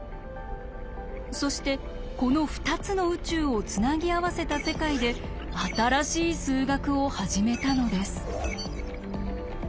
そしてこの２つの「宇宙」をつなぎ合わせた世界で新しい数学を始めたのです。